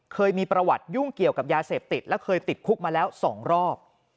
เคยมีประวัติยุ่งเกี่ยวกับยาเสพติดและเคยติดคุกมาแล้ว๒รอบ